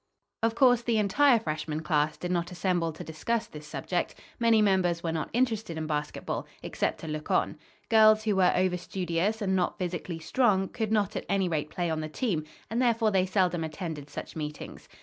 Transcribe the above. Of course, the entire Freshman Class did not assemble to discuss this subject. Many members were not interested in basketball, except to look on. Girls who were overstudious, and not physically strong, could not at any rate play on the team, and therefore they seldom attended such meetings.